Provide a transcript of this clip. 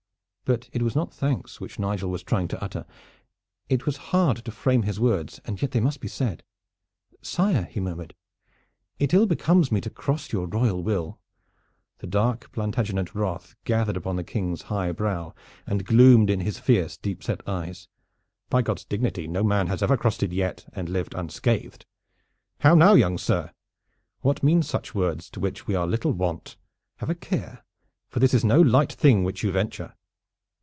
But it was not thanks which Nigel was trying to utter. It was hard to frame his words, and yet they must be said. "Sire," he murmured, "it ill becomes me to cross your royal will " The dark Plantagenet wrath gathered upon the King's high brow and gloomed in his fierce deep set eyes. "By God's dignity! no man has ever crossed it yet and lived unscathed. How now, young sir, what mean such words, to which we are little wont? Have a care, for this is no light thing which you venture."